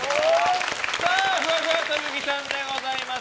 ふわふわ特技さんでございます。